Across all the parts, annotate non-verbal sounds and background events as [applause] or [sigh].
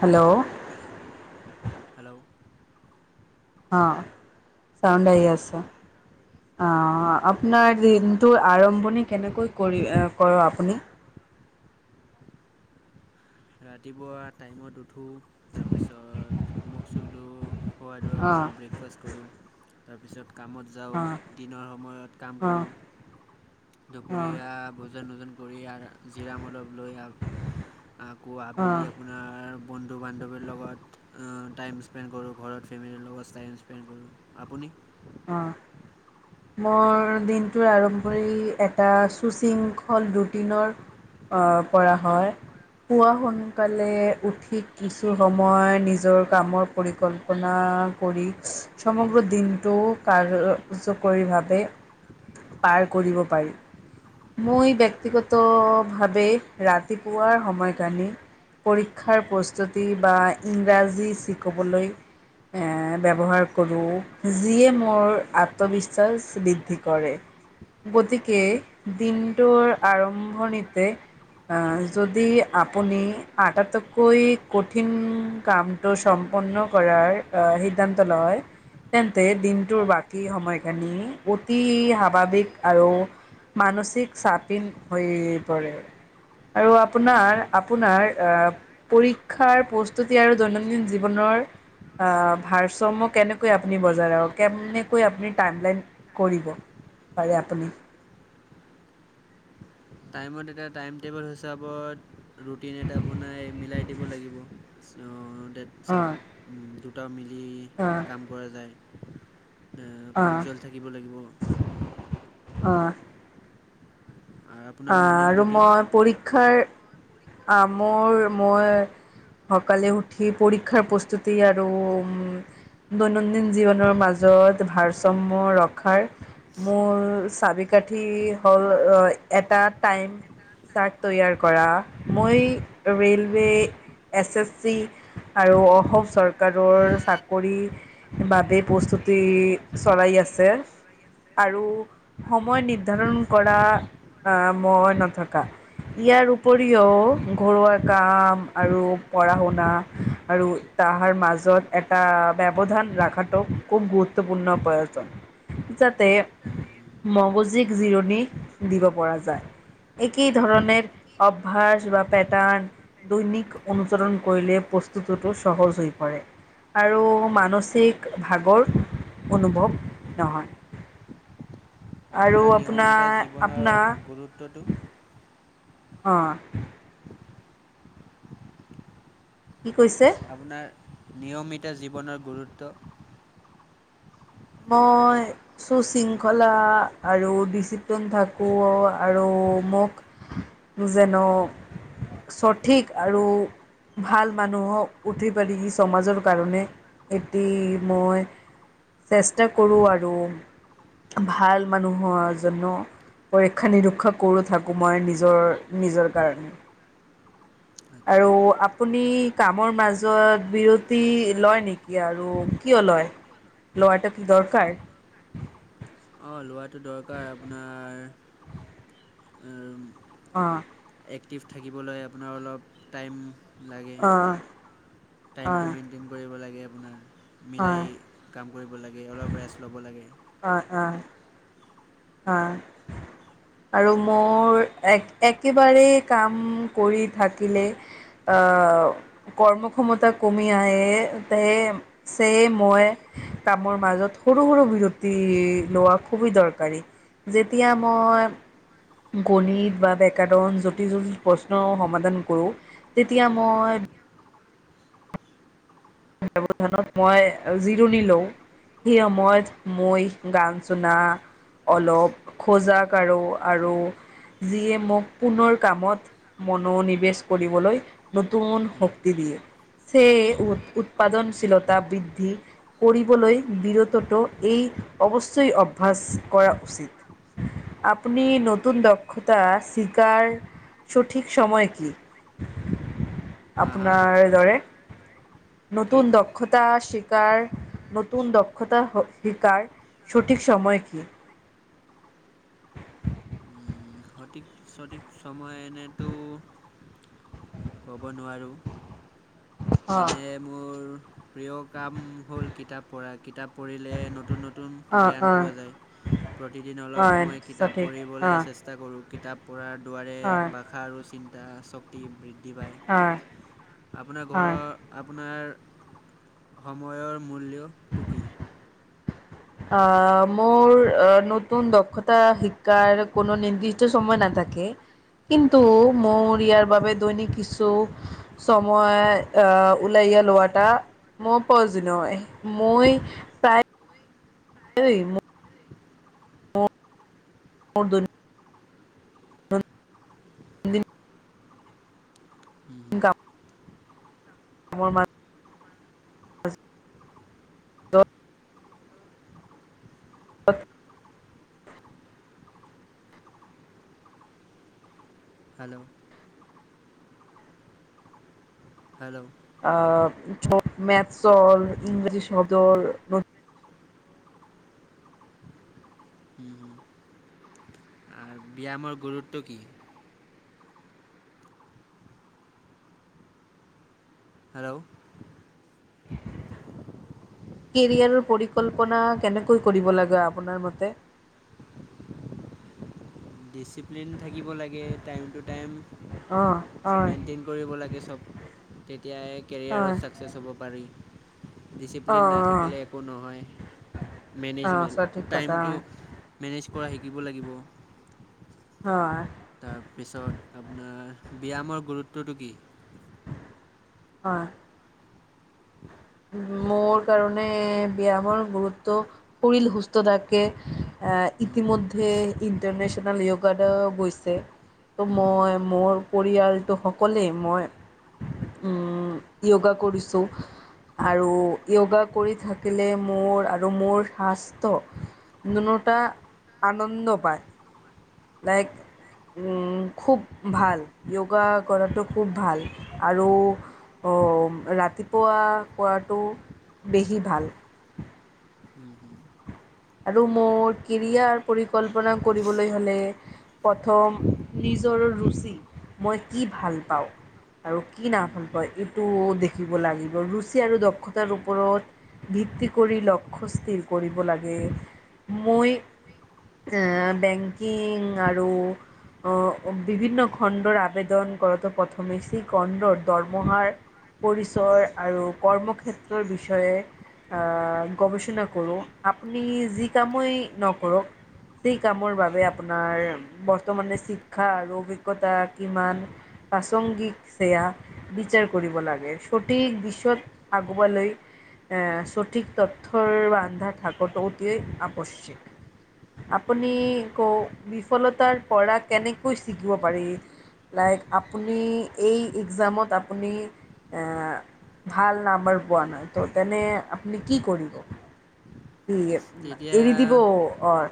Hello! Hello! অঁ! Sound আহি আছে। অঁ অঁ অঁ-অঁ [unintelligible] নহয় দিনটোৰ আৰম্ভণি কেনেকৈ কৰি কৰ আপুনি? ৰাতিপুৱা টাইমত উঠো, তাৰপিছত মুখ-চুখ ধওঁ। খোৱা-ধোৱা অঁ কৰোঁ, ব্ৰেকফাষ্ট কৰোঁ তাৰপিছত কামত যাওঁ, অঁ দিনৰ সময়ত কাম অঁ কৰোঁ। অঁ দুপৰীয়া ভোজন-চোজন কৰি আৰ জিৰাম অলপ লৈ আকৌ আবেলি অঁ আপোনাৰ বন্ধু-বান্ধৱীৰ লগত অঁ টাইম স্পেণ্ড কৰোঁ, ঘৰত ফেমিলিৰ লগত টাইম স্পেণ্ড কৰোঁ। আপুনি? অঁ! মোৰ দিনটোৰ আৰম্ভণি এটা শুচিং হ'ল ৰুটিনৰ অঁ পৰা হয়। পোৱা সোনকালে উঠি কিছু সময় নিজৰ কামৰ পৰিকল্পনাৰ কৰি সমগ্ৰ দিনটো কাৰ্যকৰীভাৱে পাৰ কৰিব পাৰি। মই ব্যক্তিগতভাৱে ৰাতিপুৱাৰ সময় কাৰণে পৰীক্ষাৰ প্ৰস্তুতি বা ইংৰাজী শিকিবলৈ এ ব্যৱহাৰ কৰোঁ যিয়ে মোৰ আত আত্মবিশ্বাস বৃদ্ধি কৰে। গতিকে দিনটোৰ আৰম্ভণিতে অঁ! যদি আপুনি আটাতকৈ কঠিন কাম আৰু সম্পন্ন কৰাৰ সিদ্ধান্ত লয় তেন্তে দিনটোৰ বাকী বাকী সময়খিনি অতি স্বাভাৱিক আৰু মানসিক চাপিন হৈ পৰে। আৰু উম, হুম। হুম আপোনাৰ-আপোনাৰ আহ পৰীক্ষাৰ প্ৰস্তুতি আৰু দৈনন্দিন জীৱনৰ অ! ভাৰসাম্য কেনেকৈ আপুনি বজাৰ আৰু কেনে কৈ আপুনি টাইমলাইন কৰিব পাৰে আপুনি। টাইমত এটা টাইম টেবুল হৈছে হিচাপত ৰুটিন এটা বনাই মিলাই দিব লাগিব। অঁ! ডেট-চেট উম! দুটা মিলি অঁ! দিব পৰা যায়। এ অ', পামচুৱেল থাকিব লাগিব। অঁ! আৰু আপোনাৰ অঁ! মৰ্ণিং আৰু ৰুটিন মই পৰীক্ষাৰ আহ মোৰ মই সোনকালে উঠি পৰীক্ষাৰ প্ৰস্তুতি আৰু উম দৈনন্দিন জীৱনৰ মাজত ভাৰসাম্য ৰক্ষাৰ মোৰ চাবি কাঠি হ'ল এটা টাইম। চাৰ্ট তৈয়াৰ কৰা। মই ৰে'লৱে, এছএছচি আৰু অসম চৰকাৰৰ চাকৰি বাবে প্ৰস্তুতি চলাই আছে আৰু সময় নিৰ্ধাৰণ কৰা আহ, মই নথকা ইয়াৰ উ পৰিও, ঘৰুৱা কাম আৰু পঢ়া শুনা আৰু [unintelligible] মাজত এটা ব্যৱধান ৰাখাটো খুব গুৰুত্বপূৰ্ণ প্ৰয়োজন। যাতে মগজিক জিৰণি দিব পৰা যায়। একেই ধৰণে অভ্যাস বা পেটাৰ্ণ দৈনিক অনুচৰণ কৰিলে প্ৰস্তুটোতো সহজ হৈ পৰে। আৰু মানসিক ভাগৰ অনুভৱ নহয়। আৰু আপোনাৰ নিয়মিতা আপোনাৰ আপোনাৰ জীৱনৰ গুৰুত্বটো অ'। কি কৈছে? আপোনাৰ নিয়মিতা জীৱনৰ গুৰুত্ব মই সু শৃংখলা আৰু ডিচিপ্লিন থাকোঁ আৰু মোক যেন' সঠিক আৰু ভাল মানুহক উঠি পাৰি সমাজৰ কাৰণে এটি মই চেষ্টা কৰোঁ আৰু ভাল মানুহৰ জন পৰীক্ষা নিৰীক্ষা কৰোঁ থাকোঁ মই নিজৰ, নিজৰ কাৰণে। আচ্ছা। আৰু আপুনি কামৰ মাজত বিৰতি লয় নেকি আৰু কিয় লয়? লোৱাতো কি দৰকাৰ? অ', লোৱাটো দৰকাৰ আপোনাৰ অ'। এক্টিভ থাকিবলৈ আপোনাৰ অলপ টাইম লাগে। অ', টাইমটো অ', মেইনটেইন কৰিব লাগে আপোনাৰ মিলাই অ', কাম কৰিব লাগে, অলপ ৰেষ্ট ল'ব লাগে। অ', অ'। অ'। আৰু মোৰ এক একেবাৰেই কাম কৰি থাকিলে আহ কৰ্মক্ষমতা কমি আহে, তে চে, মই কামৰ মাজত সৰু, সৰু বিৰতি লোৱা খুবেই দৰকাৰী। যেতিয়া মই গণিত বা ডেকাদন জটি জটিল প্ৰশ্ন সমাধান কৰোঁ তেতিয়া মই ব্যৱধানত মই জিৰণি লওঁ! সেই সময়ত মই গান শুনা অলপ খোজা কাৰু আৰু যিয়ে মোক পুনৰ কামত মনোনিৱেশ কৰিবলৈ নতুন উম। শক্তি দিয়ে। [unintelligible] উৎপাদনশীলতা বৃদ্ধি কৰিবলৈ বিৰতটো এই অৱশ্যয় অভ্যাস কৰা উচিত। আপুনি নতুন দক্ষতা চিকাৰ সঠিক সময় কি হা হা আপোনাৰ ধৰে কি? নতুন ডক দক্ষতা শিকাৰ, নতুন দক্ষতা শিকাৰ সঠিক সময় কি? উম, সঠিক ছঠিক সময় এনেতো ক'ব নোৱাৰোঁ। অ', এনে মোৰ প্ৰিয় কাম। হ'ল কিতাপ পঢ়া, কিতাপ পঢ়িলে নতুন নতুন অ', জ্ঞান অ', পোৱা যায়। প্ৰতিদিন অলপ অ', সময় কিতাপ সঠিক পঢ়িবলৈ অ', চেষ্টা, চেষ্টা কৰোঁ কিতাপ পঢ়াৰ দোৱাৰে অ', ভাষা আৰু চিন্তা শক্তি বৃদ্ধি। অ', আপোনাৰ ঘৰৰ অ', আপোনাৰ। সময়ৰ মূল্যটো কি? আহ মোৰ অ নতুন দক্ষতা শিকাৰ কোনো নিৰ্দিষ্ট সময় নাথাকে। কিন্তু আচ্ছা মোৰ ইয়াৰ বাবে দৈনিক কিছু, ছময় আহ ওলাই ল ও এটা, মই প্ৰজনয় মই, প্ৰায় [unintelligible] [unintelligible] [unintelligible] উম হুম [unintelligible] ত আ হেল্ল' হেল্ল' আহ মেথছৰ হুম, ইংৰাজী সদৰ, উম হু আৰু ব্যায়ামৰ গুৰুত্ব কি? হেল্ল' [inaudible] কেৰিয়াৰৰ পৰিকল্পনা কেনেকৈ কৰিব লাগে আপোনাৰ মতে। ডিচিপ্লিন থাকিব লাগে টাইম টু টাইম অঁ হয় মেইনটেইন। কৰিব লাগে চব তেতিয়াহে কেৰিয়াৰত হয় ছাকচেছ হ'ব পাৰি। অঁ ডিচিপ্লিন অঁ নাথাকিলে একো নহয় অঁ মেনেজমেণ্ট সঠিক কথা টাইমটো। হয় মেনেজ কৰা শিকিব লাগিব। হয়। তাৰপিছত আপোনাৰ ব্যায়ামৰ গুৰুত্বটো কি? হয়। মোৰ কাৰণে ব্যামৰ গুৰুত্ব, সোইল সুস্থ থাকে আহ ইতিমধ্যে ইণ্টাৰনেচনেল য়োগা দে হৈছে ত' মই মোৰ পৰিয়ালটো সকলেই মই, উম য়গা কৰিছোঁ। আৰু য়গা কৰি থাকিলে মোৰ আৰু মোৰ শাস্ৰ। দুনটা আনন্দ পায়। লাইক। উম খুব ভাল য়গা কৰাটো খুব ভাল আৰু, অ ৰাতিপুৱা কৰাটো বেহি ভাল। উম হুম। আৰু মোৰ কেৰিয়াৰ পৰিকল্পনা কৰিবলৈ হ'লে। প্ৰথম নিজৰ ৰুচি মই কি ভাল পাওঁ। আৰু কি না ভূল কই এইটো দেখিব লাগিব ৰুচি আৰু দক্ষতাৰ ওপৰত ভিত্তি কৰি লক্ষ্য স্থিৰ কৰিব লাগে মই বেংকিং আৰু আহ বিভিন্ন খণ্ডৰ আবেদন কৰত প্ৰথমে সি খণ্ডৰ দৰমহাৰ পৰিচয় আৰু কৰ্মক্ষেত্ৰৰ বিষয়ে অ গৱেষণা কৰো আপুনি যি কামেই নকৰক সেই কামৰ বাবে আপোনাৰ বৰ্তমানে শিক্ষা আৰু অভিজ্ঞতা কিমান প্ৰাসংগিক সেয়া বিচাৰ কৰিব লাগে সঠিক বিশ্বত আগুৱালৈ আহ সঠিক তথ্যৰ বান্ধা থাকোটো অতিয় আৱশ্যক আপুনি ক বিফলতাৰ পৰা কেনেকৈ শিকিব পাৰি? লাইক আপুনি এই এক্সামত আপুনি ভাল নাম্বাৰ পোৱা নাই ত' তেনে আপুনি কি কৰিব? কি তেতিয়া এৰি দিব অৰ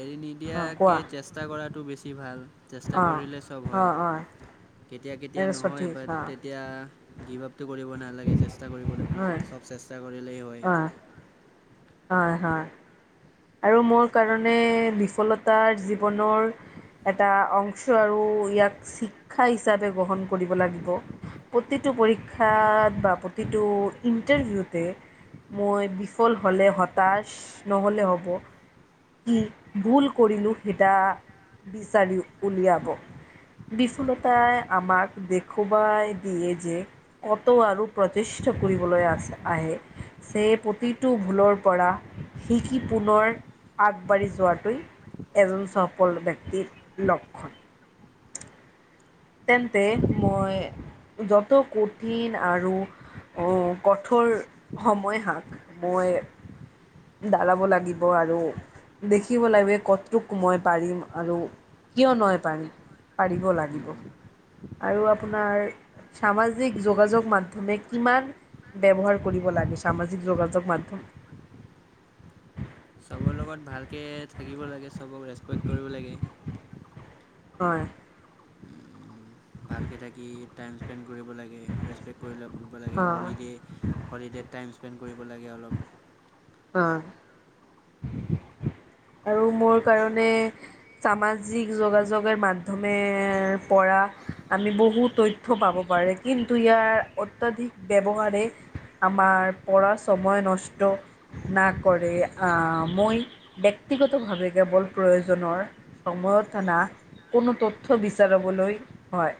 এৰি অঁ কোৱা নিদিয়াকে চেষ্টা চেষ্টা কৰাটো বেছি ভাল। চেষ্টা অঁ কৰিলে চব হয় অঁ অঁ কেতিয়া কেতিয়া নহয় সঠিক অঁ বাট এতিয়া গিভ আপটো কৰিব নালাগে চেষ্টা কৰিব লাগে হয় চব চেষ্টা কৰিলেই হয়। হয় হয় হয় আৰু মোৰ কাৰণে বিফলতাৰ জীৱনৰ এটা অংশ আৰু ইয়াক শিক্ষা হিচাপে গ্ৰহণ কৰিব লাগিব। প্ৰতিটো পৰীক্ষাত বা প্ৰতিটো ইণ্টাৰভিউতে মই বিফল হ'লে হতাশ নহ'লে হ'ব কি ভুল কৰিলো সেইটা বিচাৰি উলিয়াব বিফুলতাই আমাক দেখৱাই দিয়ে যে কত আৰু প্ৰচেষ্টা কৰিবলৈ আছে আহে যে প্ৰতিটো ভুলৰ পৰা শিকি পুনৰ আগবাঢ়ি যোৱাটেই এজন চফল ব্যক্তিৰ লক্ষণ। [unintelligible] তেন্তে মই যত কঠিন আৰু কঠোৰ সময়হাক মই দালাব লাগিব আৰু দেখিব লাগিব এই কত্ৰুক মই পাৰিম আৰু কিয় নই পাৰ পাৰিব লাগিব আৰু আপোনাৰ সামাজিক যোগাযোগ মাধ্যমে কিমান ব্যৱহাৰ কৰিব লাগে সামাজিক যোগাযোগ মাধ্যম চবৰ লগত ভালকে থাকিব লাগে চবক ৰেচপেক্ট কৰিব লাগে। হয় ভালকে থাকি টাইম স্পেণ্ড কৰিব লাগে ৰেচপেক্ট কৰি ল ফুৰিব লাগে অ' হলিডে' হলিডে'ত টাইম স্পেণ্ড কৰিব লাগে অলপ অ উ [inaudible] আৰু মোৰ কাৰণে সামাজিক যোগাযোগৰ মাধ্যমে পৰা আমি বহু তথ থ পাব পাৰে কিন্তু ইয়াৰ অত্যাধিক ব্যৱহাৰে আমাৰ পৰা সময় নষ্ট নাকৰে আ মই ব্যক্তিগতভাৱে কেৱল প্ৰয়োজনৰ সময়তানা কোনো তথ্য বিচাৰাবলৈ, হয়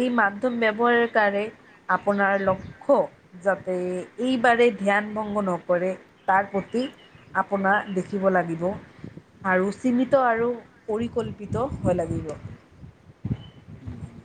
এই মাধ্যম ব্যৱহাৰৰ কাৰে আপোনাৰ লক্ষ্য যাতে এইবাৰেই ধ্যান ভংগ নকৰে তাৰ প্ৰতি আপোনাৰ দে শিকিব লাগিব আৰু সীমিত আৰু পৰিকল্পিত হৈ লাগিব। অলপ